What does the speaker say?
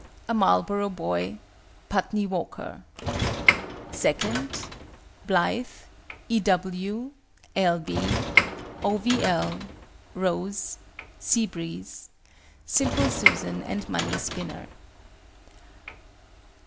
A MARLBOROUGH BOY. PUTNEY WALKER. II. BLITHE. E. W. L. B. O. V. L. ROSE. SEA BREEZE. {SIMPLE SUSAN. {MONEY SPINNER.